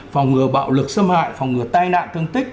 phòng ngừa bạo lực xâm hại phòng ngừa tai nạn thương tích